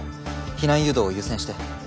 避難誘導を優先して。